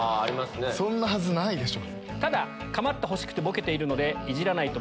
そんなはずないでしょ。